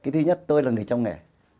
thứ nhất tôi là người trong nghề